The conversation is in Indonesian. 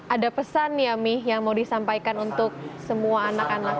ada pesan ya mi yang mau disampaikan untuk semua anak anak